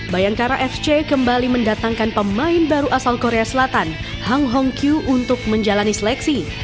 bayangkara fc kembali mendatangkan pemain baru asal korea selatan hang hong kyu untuk menjalani seleksi